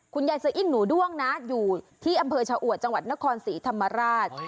ยายสะอิ้งหนูด้วงนะอยู่ที่อำเภอชะอวดจังหวัดนครศรีธรรมราช